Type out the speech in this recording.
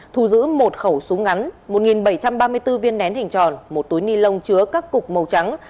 thu giữ một khẩu súng ngắn một bảy trăm ba mươi bốn viên nén hình tròn một túi ni lông chứa các cục màu trắng